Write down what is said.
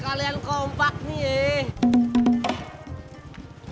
kalian kompak nih yee